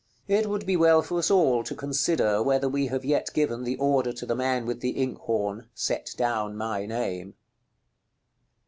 It would be well for us all to consider whether we have yet given the order to the man with the ink horn, "Set down my name."